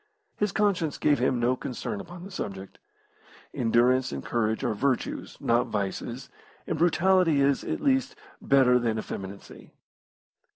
His conscience gave him no concern upon the subject. Endurance and courage are virtues, not vices, and brutality is, at least, better than effeminacy.